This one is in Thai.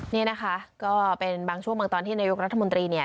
นี่นะคะก็เป็นบางช่วงบางตอนที่นายกรัฐมนตรีเนี่ย